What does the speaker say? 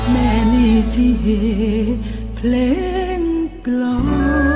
แม่นี่ที่เพลงกล่อ